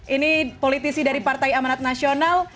ini politisi dari partai amanat nasional